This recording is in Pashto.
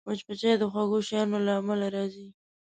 مچمچۍ د خوږو شیانو له امله راځي